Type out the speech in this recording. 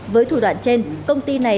với thủ đoạn trên công ty này